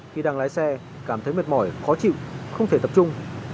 khi đang lái xe cảm thấy mệt mỏi khó chịu không thể tập trung